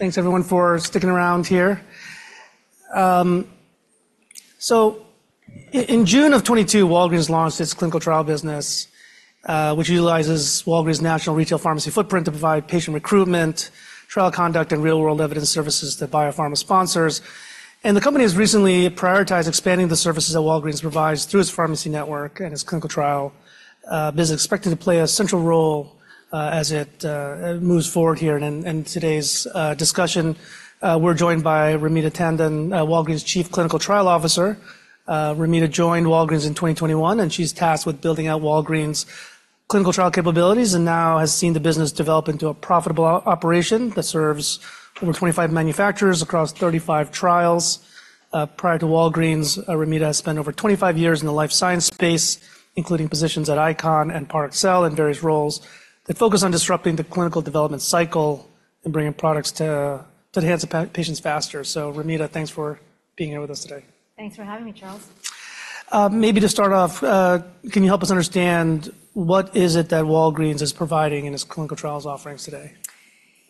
Thanks everyone for sticking around here. So in June of 2022, Walgreens launched its clinical trial business, which utilizes Walgreens' national retail pharmacy footprint to provide patient recruitment, trial conduct, and real-world evidence services to biopharma sponsors. The company has recently prioritized expanding the services that Walgreens provides through its pharmacy network and its clinical trial business expected to play a central role as it moves forward here. In today's discussion, we're joined by Ramita Tandon, Walgreens' Chief Clinical Trial Officer. Ramita joined Walgreens in 2021, and she's tasked with building out Walgreens' clinical trial capabilities and now has seen the business develop into a profitable operation that serves over 25 manufacturers across 35 trials. Prior to Walgreens, Ramita has spent over 25 years in the life science space, including positions at ICON and Parexel in various roles that focus on disrupting the clinical development cycle and bringing products to the hands of patients faster. So Ramita, thanks for being here with us today. Thanks for having me, Charles. Maybe to start off, can you help us understand what is it that Walgreens is providing in its clinical trials offerings today?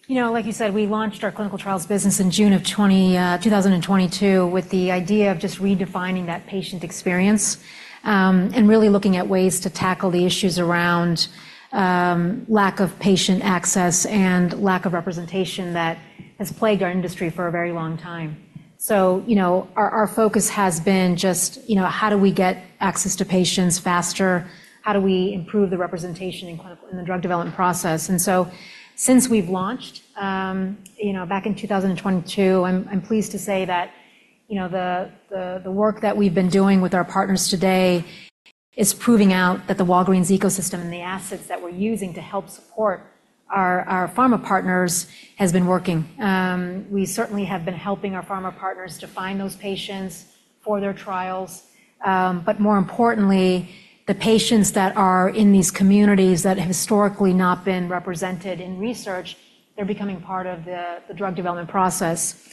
You know, like you said, we launched our clinical trials business in June of 2022, with the idea of just redefining that patient experience, and really looking at ways to tackle the issues around lack of patient access and lack of representation that has plagued our industry for a very long time. So, you know, our focus has been just, you know, how do we get access to patients faster? How do we improve the representation in the drug development process? And so since we've launched, you know, back in 2022, I'm pleased to say that, you know, the work that we've been doing with our partners today is proving out that the Walgreens ecosystem and the assets that we're using to help support our pharma partners has been working. We certainly have been helping our pharma partners to find those patients for their trials. But more importantly, the patients that are in these communities that have historically not been represented in research, they're becoming part of the drug development process.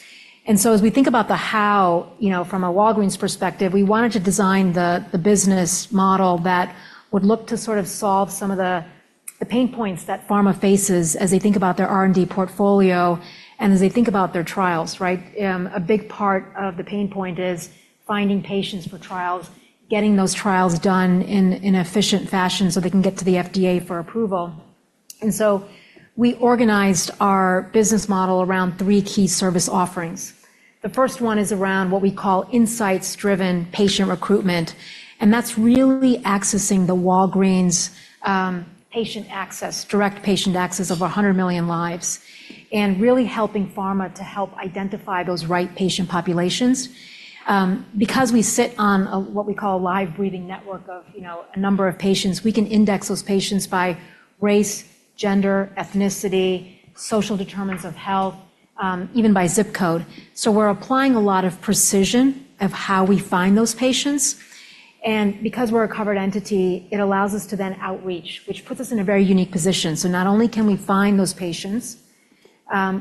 And so as we think about the how, you know, from a Walgreens perspective, we wanted to design the business model that would look to sort of solve some of the pain points that pharma faces as they think about their R&D portfolio and as they think about their trials, right? A big part of the pain point is finding patients for trials, getting those trials done in efficient fashion so they can get to the FDA for approval. And so we organized our business model around three key service offerings. The first one is around what we call insights-driven patient recruitment, and that's really accessing the Walgreens', patient access, direct patient access of 100 million lives, and really helping pharma to help identify those right patient populations. Because we sit on a what we call a live breathing network of, you know, a number of patients, we can index those patients by race, gender, ethnicity, social determinants of health, even by zip code. So we're applying a lot of precision of how we find those patients, and because we're a covered entity, it allows us to then outreach, which puts us in a very unique position. So not only can we find those patients,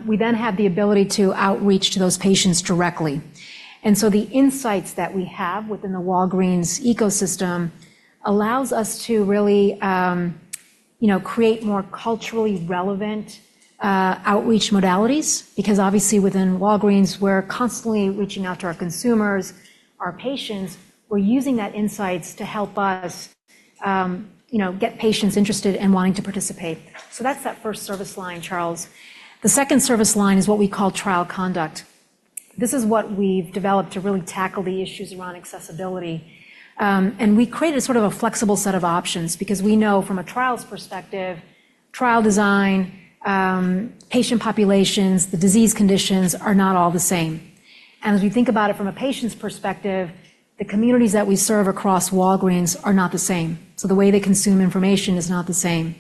we then have the ability to outreach to those patients directly. And so the insights that we have within the Walgreens ecosystem allows us to really, you know, create more culturally relevant, outreach modalities, because obviously, within Walgreens, we're constantly reaching out to our consumers, our patients. We're using that insights to help us, you know, get patients interested and wanting to participate. So that's that first service line, Charles. The second service line is what we call trial conduct. This is what we've developed to really tackle the issues around accessibility, and we created sort of a flexible set of options because we know from a trials perspective, trial design, patient populations, the disease conditions are not all the same. And as we think about it from a patient's perspective, the communities that we serve across Walgreens are not the same, so the way they consume information is not the same.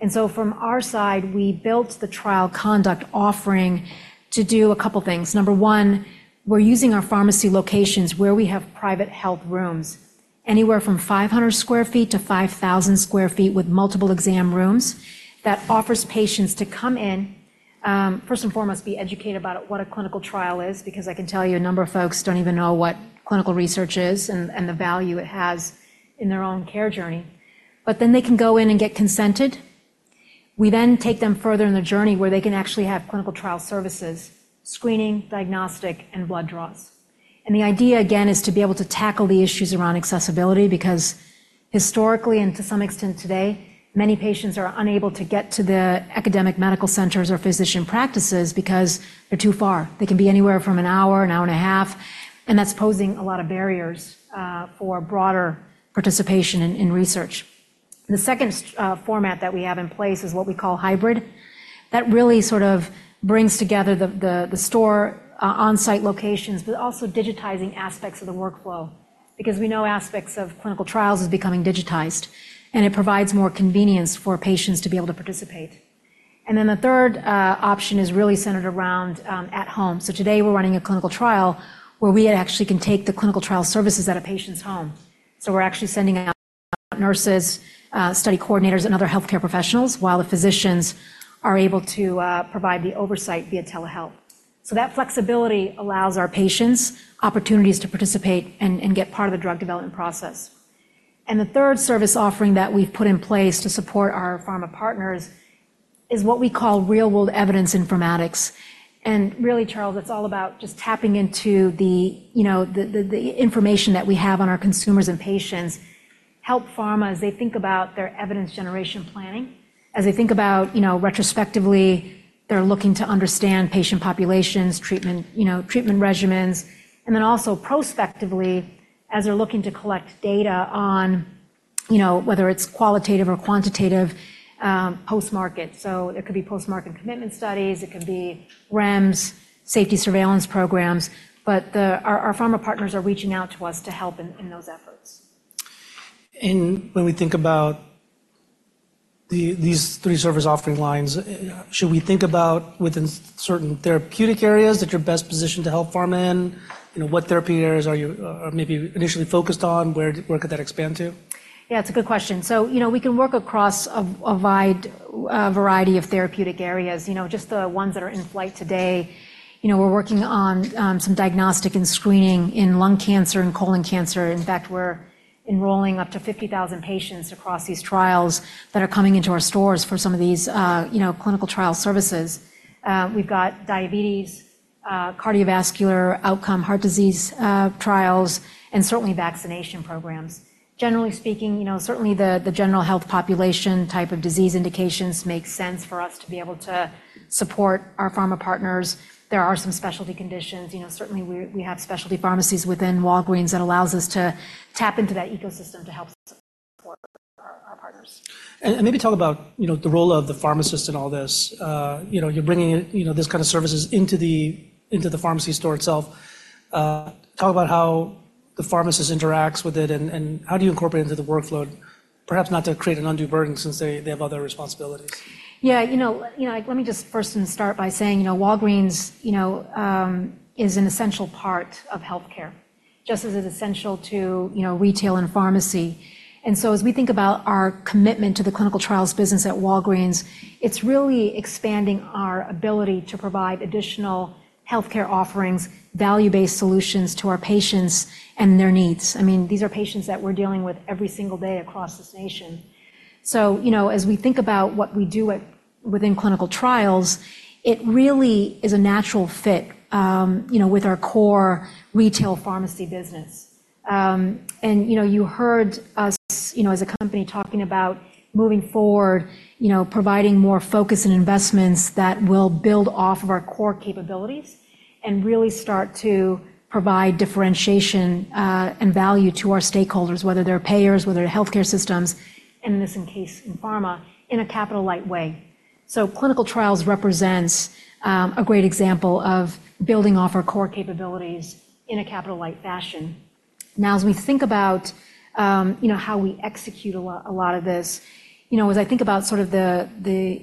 And so from our side, we built the trial conduct offering to do a couple things. Number one, we're using our pharmacy locations where we have private health rooms, anywhere from 500 sq ft to 5,000 sq ft with multiple exam rooms, that offers patients to come in, first and foremost, be educated about what a clinical trial is, because I can tell you, a number of folks don't even know what clinical research is and the value it has in their own care journey. But then they can go in and get consented. We then take them further in their journey, where they can actually have clinical trial services: screening, diagnostic, and blood draws. And the idea, again, is to be able to tackle the issues around accessibility, because historically, and to some extent today, many patients are unable to get to the academic medical centers or physician practices because they're too far. They can be anywhere from an hour, an hour and a half, and that's posing a lot of barriers for broader participation in research. The second format that we have in place is what we call hybrid. That really sort of brings together the store on-site locations, but also digitizing aspects of the workflow, because we know aspects of clinical trials is becoming digitized, and it provides more convenience for patients to be able to participate. And then the third option is really centered around at home. Today we're running a clinical trial where we actually can take the clinical trial services at a patient's home. We're actually sending out nurses, study coordinators, and other healthcare professionals while the physicians are able to provide the oversight via telehealth. That flexibility allows our patients opportunities to participate and get part of the drug development process. The third service offering that we've put in place to support our pharma partners is what we call real-world evidence informatics. Really, Charles, it's all about just tapping into the, you know, information that we have on our consumers and patients, help pharma as they think about their evidence generation planning, as they think about, you know, retrospectively, they're looking to understand patient populations, treatment, you know, treatment regimens, and then also prospectively, as they're looking to collect data on, you know, whether it's qualitative or quantitative, post-market. So it could be post-market commitment studies, it could be REMS, safety surveillance programs, but our pharma partners are reaching out to us to help in those efforts. And when we think about these three service offering lines, should we think about within certain therapeutic areas that you're best positioned to help pharma in? You know, what therapy areas are you maybe initially focused on? Where could that expand to? Yeah, it's a good question. So, you know, we can work across a wide variety of therapeutic areas. You know, just the ones that are in flight today, you know, we're working on some diagnostic and screening in lung cancer and colon cancer. In fact, we're enrolling up to 50,000 patients across these trials that are coming into our stores for some of these, you know, clinical trial services. We've got diabetes, cardiovascular outcome, heart disease, trials, and certainly vaccination programs. Generally speaking, you know, certainly the general health population type of disease indications make sense for us to be able to support our pharma partners. There are some specialty conditions. You know, certainly we have specialty pharmacies within Walgreens that allows us to tap into that ecosystem to help support our partners. Maybe talk about, you know, the role of the pharmacist in all this. You know, you're bringing in, you know, this kind of services into the pharmacy store itself. Talk about how the pharmacist interacts with it and how do you incorporate it into the workflow, perhaps not to create an undue burden since they have other responsibilities? Yeah, you know, let me just first and start by saying, you know, Walgreens, you know, is an essential part of healthcare, just as it's essential to, you know, retail and pharmacy. And so as we think about our commitment to the clinical trials business at Walgreens, it's really expanding our ability to provide additional healthcare offerings, value-based solutions to our patients and their needs. I mean, these are patients that we're dealing with every single day across this nation. So, you know, as we think about what we do within clinical trials, it really is a natural fit, you know, with our core retail pharmacy business. You know, you heard us, you know, as a company talking about moving forward, you know, providing more focus and investments that will build off of our core capabilities and really start to provide differentiation, and value to our stakeholders, whether they're payers, whether they're healthcare systems, and in this case, in pharma, in a capital-light way. So clinical trials represents a great example of building off our core capabilities in a capital-light fashion. Now, as we think about you know, how we execute a lot of this, you know, as I think about sort of the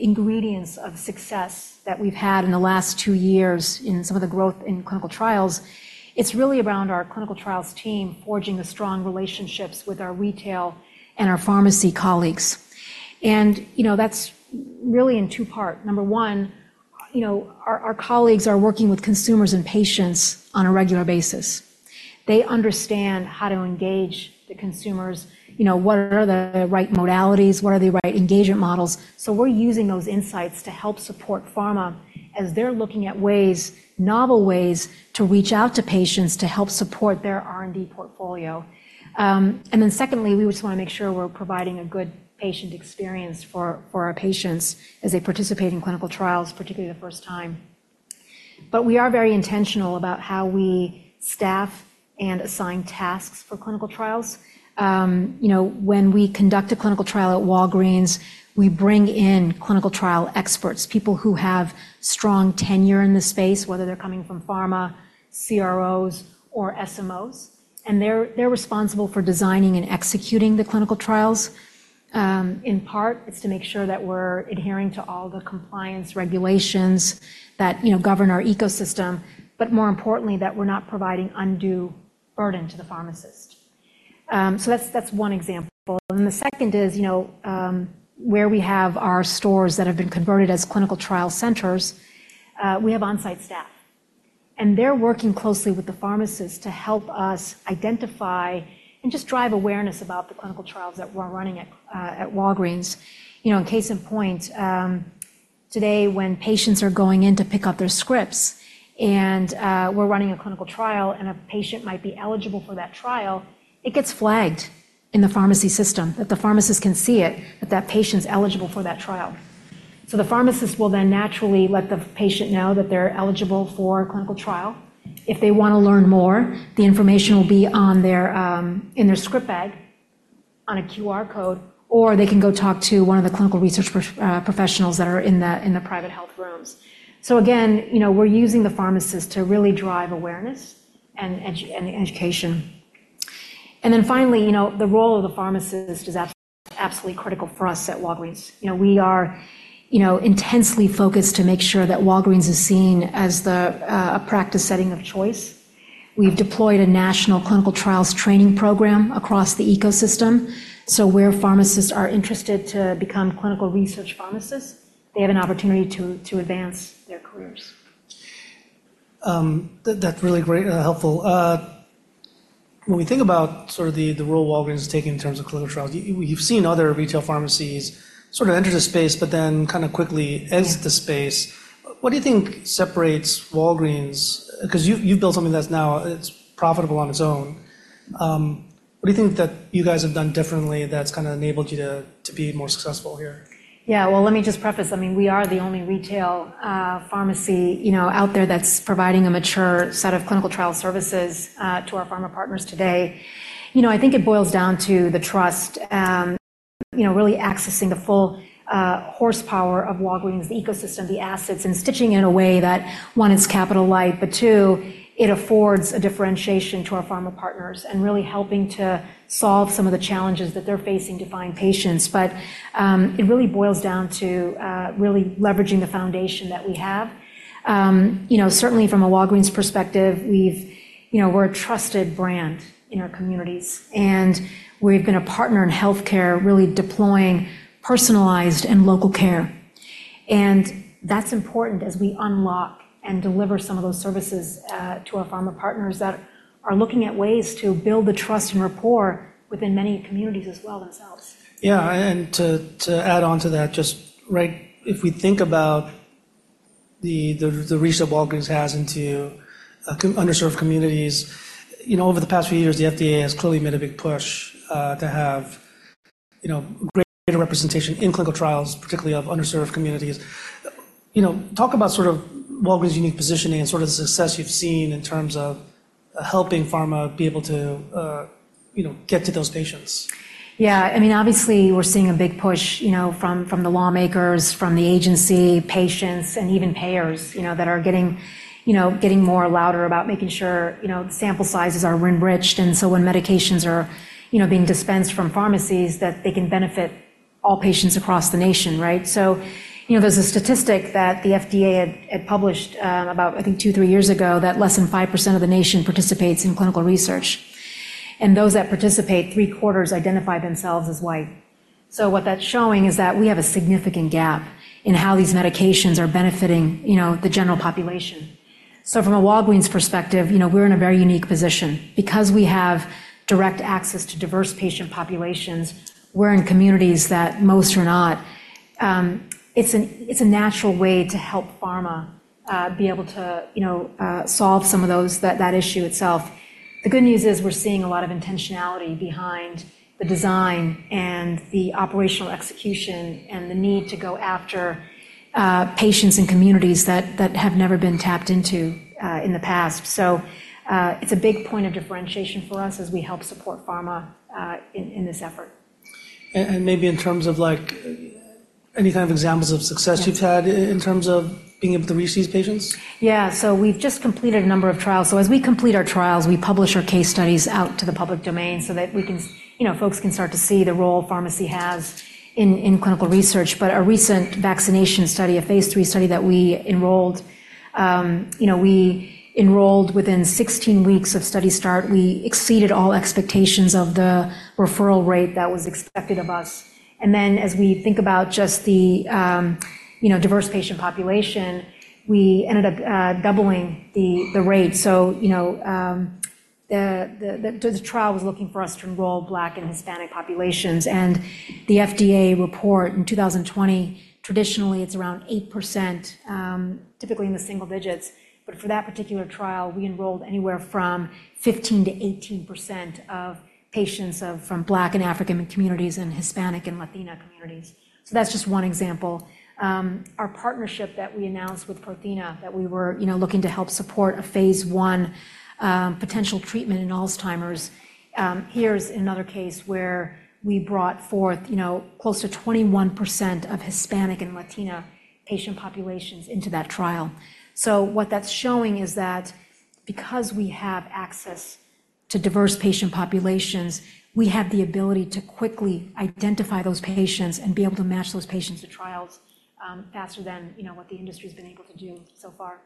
ingredients of success that we've had in the last two years in some of the growth in clinical trials, it's really around our clinical trials team forging the strong relationships with our retail and our pharmacy colleagues, and you know, that's really in two parts. Number one, you know, our colleagues are working with consumers and patients on a regular basis. They understand how to engage the consumers, you know, what are the right modalities, what are the right engagement models? So we're using those insights to help support pharma as they're looking at ways, novel ways, to reach out to patients to help support their R&D portfolio, and then secondly, we just wanna make sure we're providing a good patient experience for our patients as they participate in clinical trials, particularly the first time, but we are very intentional about how we staff and assign tasks for clinical trials. You know, when we conduct a clinical trial at Walgreens, we bring in clinical trial experts, people who have strong tenure in the space, whether they're coming from pharma, CROs, or SMOs, and they're responsible for designing and executing the clinical trials. In part, it's to make sure that we're adhering to all the compliance regulations that, you know, govern our ecosystem, but more importantly, that we're not providing undue burden to the pharmacist. So that's one example. And the second is, you know, where we have our stores that have been converted as clinical trial centers, we have on-site staff, and they're working closely with the pharmacist to help us identify and just drive awareness about the clinical trials that we're running at Walgreens. You know, case in point, today, when patients are going in to pick up their scripts, and we're running a clinical trial, and a patient might be eligible for that trial, it gets flagged in the pharmacy system, that the pharmacist can see it, that that patient's eligible for that trial. So the pharmacist will then naturally let the patient know that they're eligible for a clinical trial. If they wanna learn more, the information will be on their, in their script bag on a QR code, or they can go talk to one of the clinical research professionals that are in the, in the private health rooms. So again, you know, we're using the pharmacist to really drive awareness and education. And then finally, you know, the role of the pharmacist is absolutely critical for us at Walgreens. You know, we are, you know, intensely focused to make sure that Walgreens is seen as the, a practice setting of choice. We've deployed a national clinical trials training program across the ecosystem. So where pharmacists are interested to become clinical research pharmacists, they have an opportunity to advance their careers.... that, that's really great and helpful. When we think about sort of the role Walgreens is taking in terms of clinical trials, you've seen other retail pharmacies sort of enter the space, but then kind of quickly exit the space. What do you think separates Walgreens? 'Cause you've built something that's now, it's profitable on its own. What do you think that you guys have done differently that's kind of enabled you to be more successful here? Yeah, well, let me just preface. I mean, we are the only retail pharmacy, you know, out there that's providing a mature set of clinical trial services to our pharma partners today. You know, I think it boils down to the trust, you know, really accessing the full horsepower of Walgreens, the ecosystem, the assets, and stitching in a way that, one, it's capital light, but two, it affords a differentiation to our pharma partners and really helping to solve some of the challenges that they're facing to find patients. But it really boils down to really leveraging the foundation that we have. You know, certainly from a Walgreens perspective, we've, you know, we're a trusted brand in our communities, and we've been a partner in healthcare, really deploying personalized and local care. And that's important as we unlock and deliver some of those services to our pharma partners that are looking at ways to build the trust and rapport within many communities as well themselves. Yeah, and to add on to that, just right, if we think about the reach that Walgreens has into underserved communities, you know, over the past few years, the FDA has clearly made a big push to have, you know, greater representation in clinical trials, particularly of underserved communities. You know, talk about sort of Walgreens' unique positioning and sort of the success you've seen in terms of helping pharma be able to, you know, get to those patients. Yeah. I mean, obviously, we're seeing a big push, you know, from the lawmakers, from the agency, patients, and even payers, you know, that are getting, you know, getting more louder about making sure, you know, sample sizes are enriched, and so when medications are, you know, being dispensed from pharmacies, that they can benefit all patients across the nation, right? So, you know, there's a statistic that the FDA had published about, I think, two, three years ago, that less than 5% of the nation participates in clinical research, and those that participate, 3/4 identify themselves as White. So what that's showing is that we have a significant gap in how these medications are benefiting, you know, the general population. So from a Walgreens perspective, you know, we're in a very unique position. Because we have direct access to diverse patient populations, we're in communities that most are not. It's a natural way to help pharma, be able to, you know, solve some of those, that issue itself. The good news is we're seeing a lot of intentionality behind the design and the operational execution and the need to go after patients in communities that have never been tapped into, in the past. So, it's a big point of differentiation for us as we help support pharma, in this effort. Maybe in terms of, like, any kind of examples of success you've had in terms of being able to reach these patients? Yeah. So we've just completed a number of trials. So as we complete our trials, we publish our case studies out to the public domain so that we can... You know, folks can start to see the role pharmacy has in clinical research. But a recent vaccination study, a phase III study that we enrolled, you know, we enrolled within sixteen weeks of study start. We exceeded all expectations of the referral rate that was expected of us. And then, as we think about just the diverse patient population, we ended up doubling the rate. So, you know, the trial was looking for us to enroll Black and Hispanic populations, and the FDA report in 2020, traditionally, it's around 8%, typically in the single digits. But for that particular trial, we enrolled anywhere from 15%-18% of patients from Black and African communities and Hispanic and Latina communities. So that's just one example. Our partnership that we announced with Prothena, that we were, you know, looking to help support a phase I potential treatment in Alzheimer's, here's another case where we brought forth, you know, close to 21% of Hispanic and Latina patient populations into that trial. So what that's showing is that because we have access to diverse patient populations, we have the ability to quickly identify those patients and be able to match those patients to trials, faster than, you know, what the industry's been able to do so far.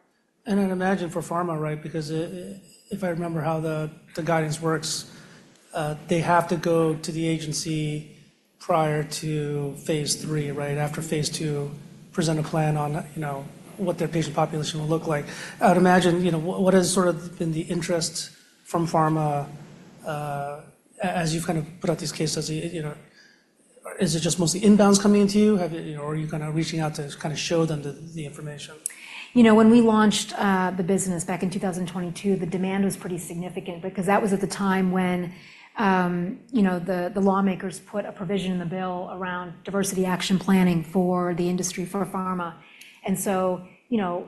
And I'd imagine for pharma, right, because if I remember how the guidance works, they have to go to the agency prior to phase III, right? After phase II, present a plan on, you know, what their patient population will look like. I would imagine, you know, what has sort of been the interest from pharma, as you've kind of put out these cases, you know, is it just mostly inbounds coming into you? Have you or are you kind of reaching out to kind of show them the information? You know, when we launched the business back in 2022, the demand was pretty significant because that was at the time when you know the lawmakers put a provision in the bill around diversity action planning for the industry, for pharma. And so, you know,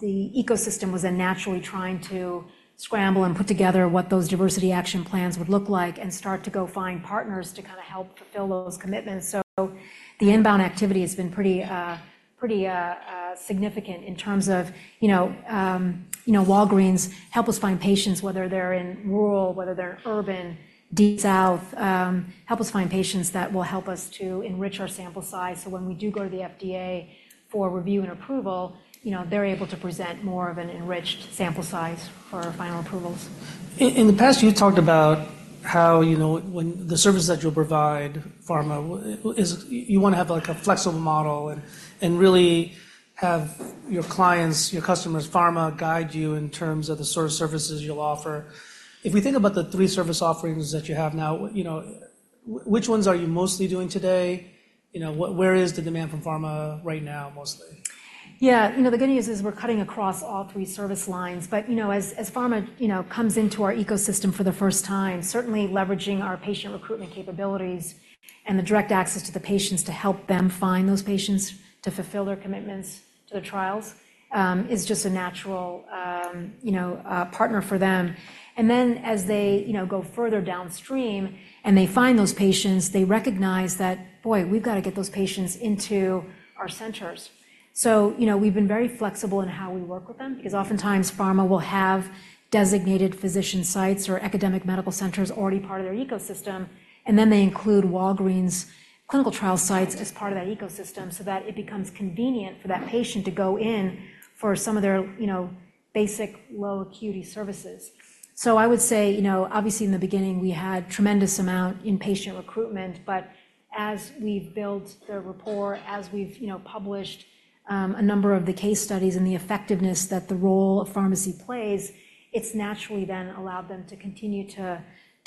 the ecosystem was then naturally trying to scramble and put together what those diversity action plans would look like and start to go find partners to kind of help fulfill those commitments. So the inbound activity has been pretty significant in terms of you know Walgreens, help us find patients, whether they're in rural, whether they're urban, Deep South, help us find patients that will help us to enrich our sample size. So when we do go to the FDA for review and approval, you know, they're able to present more of an enriched sample size for our final approvals. In the past, you talked about how, you know, when the services that you'll provide pharma is, you want to have, like, a flexible model and, and really have your clients, your customers, pharma, guide you in terms of the sort of services you'll offer. If we think about the three service offerings that you have now, you know, which ones are you mostly doing today? You know, where is the demand from pharma right now, mostly? Yeah, you know, the good news is we're cutting across all three service lines. But, you know, as pharma, you know, comes into our ecosystem for the first time, certainly leveraging our patient recruitment capabilities and the direct access to the patients to help them find those patients to fulfill their commitments to the trials, is just a natural, you know, partner for them. And then, as they, you know, go further downstream and they find those patients, they recognize that, "Boy, we've got to get those patients into our centers." So, you know, we've been very flexible in how we work with them because oftentimes pharma will have designated physician sites or academic medical centers already part of their ecosystem, and then they include Walgreens clinical trial sites as part of that ecosystem so that it becomes convenient for that patient to go in for some of their, you know, basic low-acuity services. So I would say, you know, obviously, in the beginning, we had tremendous amount in patient recruitment, but as we've built the rapport, as we've, you know, published a number of the case studies and the effectiveness that the role of pharmacy plays, it's naturally then allowed them to continue to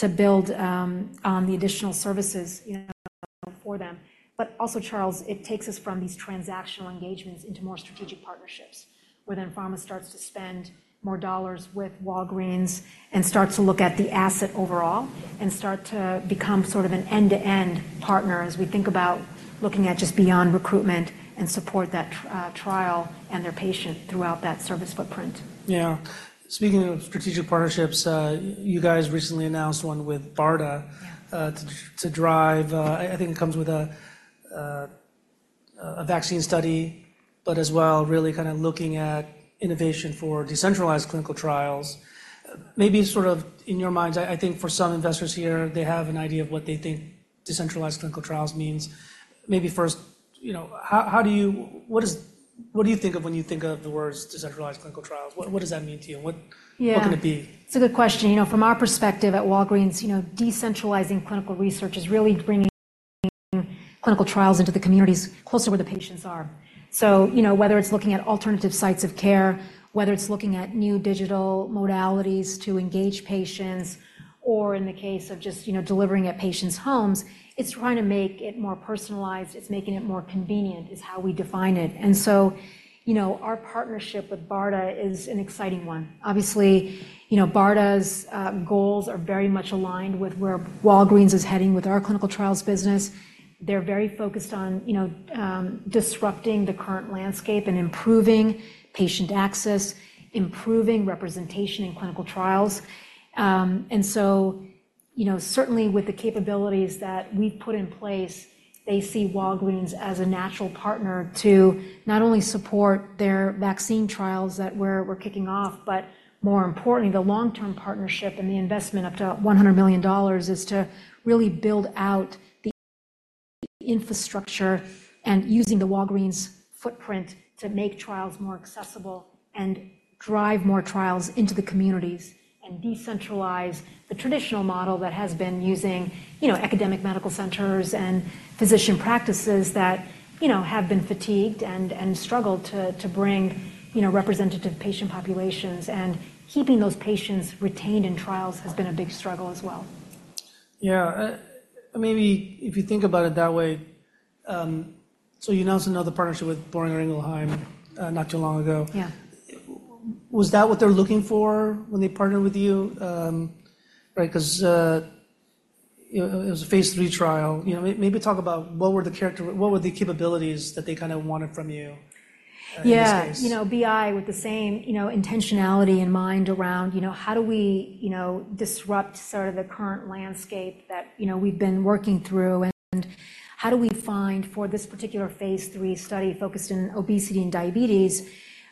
build on the additional services, you know, for them. But also, Charles, it takes us from these transactional engagements into more strategic partnerships, where then pharma starts to spend more dollars with Walgreens and starts to look at the asset overall and start to become sort of an end-to-end partner as we think about looking at just beyond recruitment and support that trial and their patient throughout that service footprint. Yeah. Speaking of strategic partnerships, you guys recently announced one with BARDA- Yeah... to drive, I think it comes with a vaccine study, but as well, really kind of looking at innovation for decentralized clinical trials. Maybe sort of in your minds, I think for some investors here, they have an idea of what they think decentralized clinical trials means. Maybe first, you know, how do you—what is—what do you think of when you think of the words decentralized clinical trials? What does that mean to you? What- Yeah. What can it be? It's a good question. You know, from our perspective at Walgreens, you know, decentralizing clinical research is really bringing clinical trials into the communities closer to where the patients are. So, you know, whether it's looking at alternative sites of care, whether it's looking at new digital modalities to engage patients, or in the case of just, you know, delivering at patients' homes, it's trying to make it more personalized, it's making it more convenient, is how we define it, and so, you know, our partnership with BARDA is an exciting one. Obviously, you know, BARDA's goals are very much aligned with where Walgreens is heading with our clinical trials business. They're very focused on, you know, disrupting the current landscape and improving patient access, improving representation in clinical trials. And so, you know, certainly with the capabilities that we've put in place, they see Walgreens as a natural partner to not only support their vaccine trials that we're kicking off, but more importantly, the long-term partnership and the investment up to $100 million is to really build out the infrastructure and using the Walgreens footprint to make trials more accessible and drive more trials into the communities and decentralize the traditional model that has been using, you know, academic medical centers and physician practices that, you know, have been fatigued and struggled to bring, you know, representative patient populations. And keeping those patients retained in trials has been a big struggle as well. Yeah, maybe if you think about it that way. So you announced another partnership with Boehringer Ingelheim, not too long ago. Yeah. Was that what they're looking for when they partnered with you? Right, 'cause, you know, it was a phase III trial. You know, maybe talk about what were the capabilities that they kinda wanted from you, in this case? Yeah. You know, BI, with the same, you know, intentionality in mind around, you know, how do we, you know, disrupt sort of the current landscape that, you know, we've been working through? And how do we find, for this particular phase III study focused on obesity and diabetes,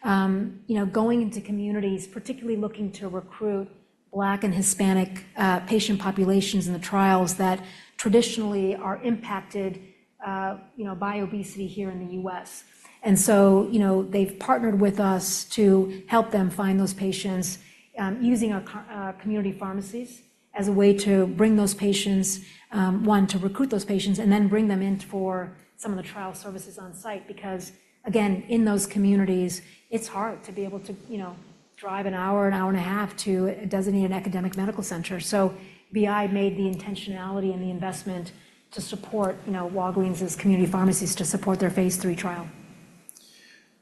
you know, going into communities, particularly looking to recruit Black and Hispanic patient populations in the trials that traditionally are impacted, you know, by obesity here in the U.S. And so, you know, they've partnered with us to help them find those patients, using our community pharmacies as a way to bring those patients, one, to recruit those patients, and then bring them in for some of the trial services on-site. Because, again, in those communities, it's hard to be able to, you know, drive an hour, an hour and a half to a designated academic medical center. So BI made the intentionality and the investment to support, you know, Walgreens' community pharmacies to support their phase III trial.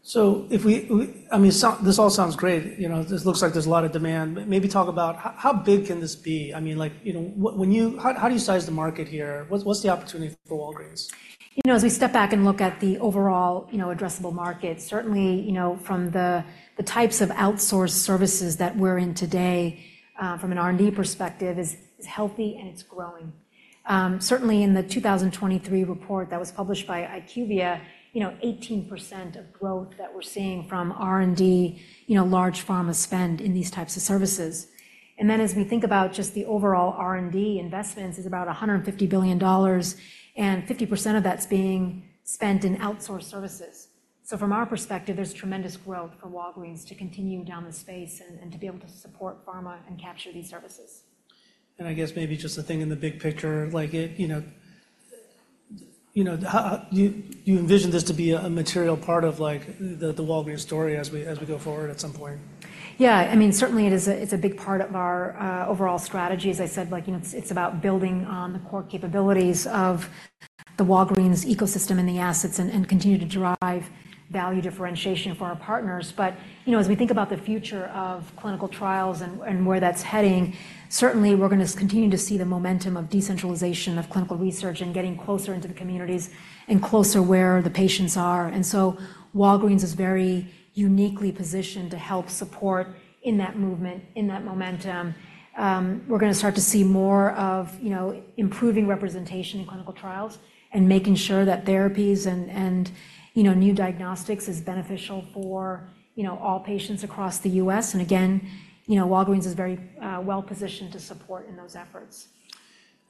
So, I mean, this all sounds great. You know, this looks like there's a lot of demand. Maybe talk about how big can this be? I mean, like, you know, when you... How do you size the market here? What's the opportunity for Walgreens? You know, as we step back and look at the overall, you know, addressable market, certainly, you know, from the types of outsourced services that we're in today from an R&D perspective, is healthy and it's growing. Certainly in the 2023 report that was published by IQVIA, you know, 18% of growth that we're seeing from R&D, you know, large pharma spend in these types of services. And then, as we think about just the overall R&D investments, is about $150 billion, and 50% of that's being spent in outsourced services. So from our perspective, there's tremendous growth for Walgreens to continue down the space and to be able to support pharma and capture these services. And I guess maybe just the thing in the big picture, like it, you know, how you envision this to be a material part of, like, the Walgreens story as we go forward at some point? Yeah, I mean, certainly it is. It's a big part of our overall strategy. As I said, like, you know, it's about building on the core capabilities of the Walgreens ecosystem and the assets and continue to drive value differentiation for our partners. But, you know, as we think about the future of clinical trials and where that's heading, certainly we're gonna continue to see the momentum of decentralization of clinical research and getting closer into the communities and closer where the patients are, and so Walgreens is very uniquely positioned to help support in that movement, in that momentum. We're gonna start to see more of, you know, improving representation in clinical trials and making sure that therapies and, you know, new diagnostics is beneficial for, you know, all patients across the U.S. And again, you know, Walgreens is very well-positioned to support in those efforts.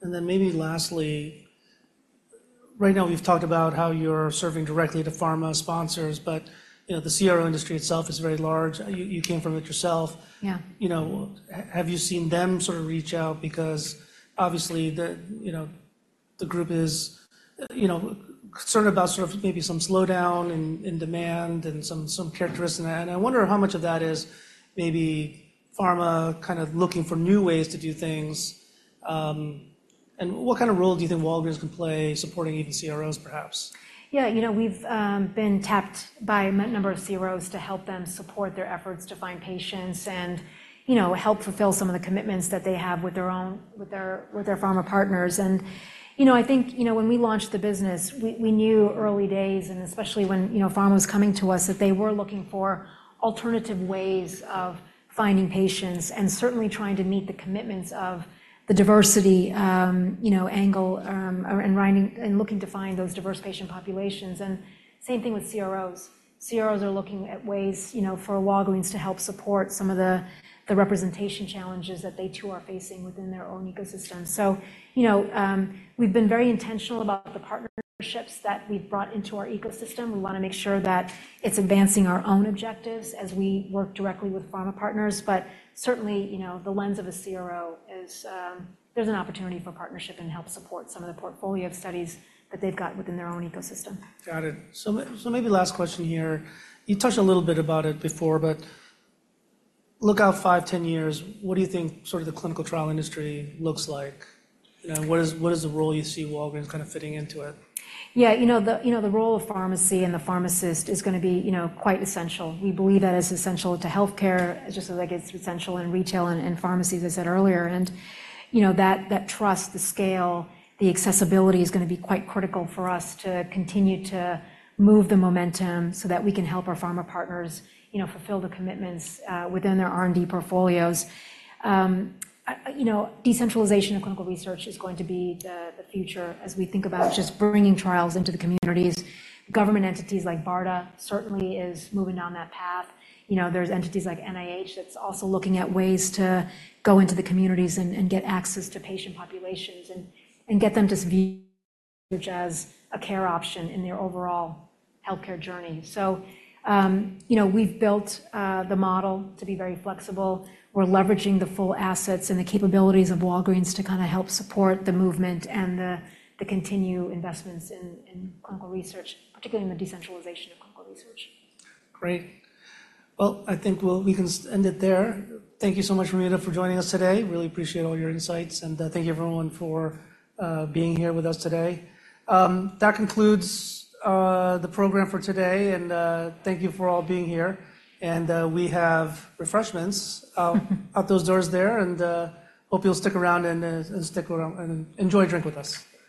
And then maybe lastly, right now we've talked about how you're serving directly to pharma sponsors, but you know, the CRO industry itself is very large. You came from it yourself. Yeah. You know, have you seen them sort of reach out? Because obviously, you know, the group is concerned about sort of maybe some slowdown in demand and some characteristics. And I wonder how much of that is maybe pharma kind of looking for new ways to do things. And what kind of role do you think Walgreens can play supporting even CROs, perhaps? Yeah, you know, we've been tapped by a number of CROs to help them support their efforts to find patients and, you know, help fulfill some of the commitments that they have with their own with their pharma partners. And, you know, I think, you know, when we launched the business, we knew early days, and especially when, you know, pharma was coming to us, that they were looking for alternative ways of finding patients and certainly trying to meet the commitments of the diversity, you know, angle, and finding and looking to find those diverse patient populations. And same thing with CROs. CROs are looking at ways, you know, for Walgreens to help support some of the representation challenges that they too are facing within their own ecosystem. So, you know, we've been very intentional about the partnerships that we've brought into our ecosystem. We wanna make sure that it's advancing our own objectives as we work directly with pharma partners. But certainly, you know, the lens of a CRO is. There's an opportunity for partnership and help support some of the portfolio of studies that they've got within their own ecosystem. Got it. So maybe last question here. You touched a little bit about it before, but look out five, 10 years, what do you think sort of the clinical trial industry looks like? You know, what is, what is the role you see Walgreens kind of fitting into it? Yeah, you know, the role of pharmacy and the pharmacist is gonna be, you know, quite essential. We believe that it's essential to healthcare, just as, like, it's essential in retail and pharmacy, as I said earlier, and you know, that trust, the scale, the accessibility is gonna be quite critical for us to continue to move the momentum so that we can help our pharma partners, you know, fulfill the commitments within their R&D portfolios. You know, decentralization of clinical research is going to be the future as we think about just bringing trials into the communities. Government entities like BARDA certainly is moving down that path. You know, there's entities like NIH that's also looking at ways to go into the communities and get access to patient populations and get them to view as a care option in their overall healthcare journey. So, you know, we've built the model to be very flexible. We're leveraging the full assets and the capabilities of Walgreens to kinda help support the movement and the continued investments in clinical research, particularly in the decentralization of clinical research. Great. Well, I think we'll end it there. Thank you so much, Ramita, for joining us today. Really appreciate all your insights, and thank you, everyone, for being here with us today. That concludes the program for today, and thank you for all being here. We have refreshments out those doors there, and hope you'll stick around and enjoy a drink with us.